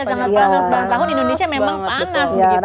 kan sepanjang tahun indonesia memang panas